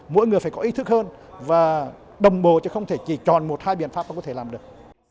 mỗi người phải có ý thức hơn và đồng bồ chứ không thể chỉ chọn một hai biện pháp mà có thể làm được